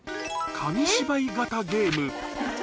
紙芝居型ゲーム。